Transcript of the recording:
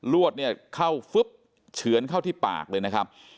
รวดเข้าเฉือนเข้าที่ปากเลยนะครับ